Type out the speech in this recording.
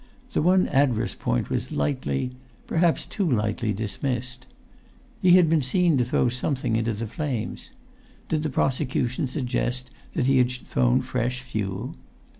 The one adverse point was lightly—perhaps too lightly—dismissed. He had been seen to throw some[Pg 180]thing into the flames. Did the prosecution suggest that he had thrown fresh fuel?